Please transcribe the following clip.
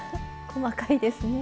細かいですね。